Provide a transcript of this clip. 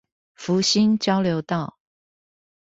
福興交流道